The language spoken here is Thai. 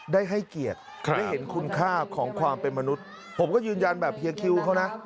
ได้ให้เกียรติได้เห็นคุณค่าของความเป็นมนุษย์ผมก็ยืนยันแบบเฮียคิวเขานะ